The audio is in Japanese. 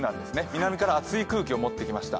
南から熱い空気を持ってきました。